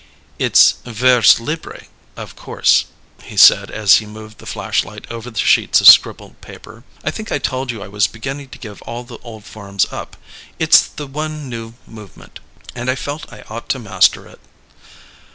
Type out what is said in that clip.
"It's vers libre, of course," he said as he moved the flashlight over the sheets of scribbled paper. "I think I told you I was beginning to give all the old forms up. It's the one new movement, and I felt I ought to master it."